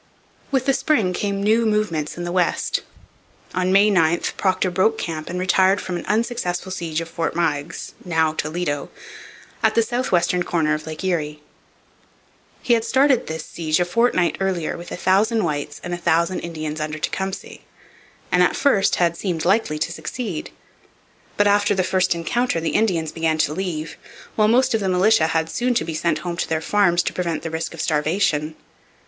With the spring came new movements in the West. On May 9 Procter broke camp and retired from an unsuccessful siege of Fort Meigs (now Toledo) at the south western corner of Lake Erie. He had started this siege a fortnight earlier with a thousand whites and a thousand Indians under Tecumseh; and at first had seemed likely to succeed. But after the first encounter the Indians began to leave; while most of the militia had soon to be sent home to their farms to prevent the risk of starvation.